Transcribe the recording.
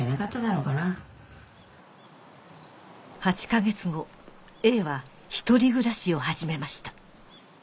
８か月後Ａは一人暮らしを始めました